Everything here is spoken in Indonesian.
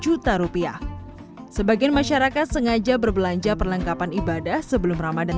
tiga enam juta rupiah sebagian masyarakat sengaja berbelanja perlengkapan ibadah sebelum ramadhan